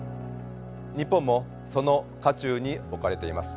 日本もその渦中に置かれています。